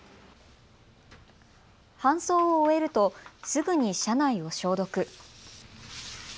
搬送を終えるとすぐに車内を消毒。